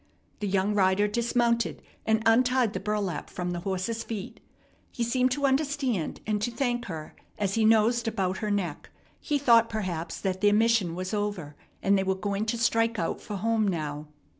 The young rider dismounted, and untied the burlap from the horse's feet. He seemed to understand, and to thank her as he nosed about her neck. He thought, perhaps, that their mission was over and they were going to strike out for home now.